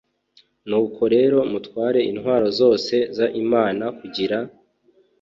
Nuko rero mutware intwaro zose z imana kugira